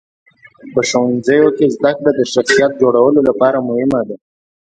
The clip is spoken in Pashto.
په ښوونځیو کې زدهکړه د شخصیت جوړولو لپاره مهمه ده.